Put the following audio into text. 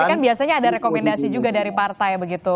tapi kan biasanya ada rekomendasi juga dari partai begitu